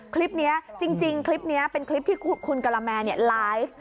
คลิปนี้จริงคลิปนี้เป็นคลิปที่คุณกะละแมไลฟ์